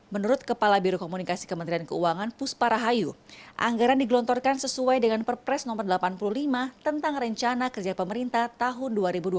menurut kepala biro komunikasi kementerian keuangan puspa rahayu anggaran digelontorkan sesuai dengan perpres no delapan puluh lima tentang rencana kerja pemerintah tahun dua ribu dua puluh